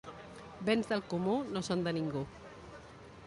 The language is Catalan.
Béns del comú no són de ningú.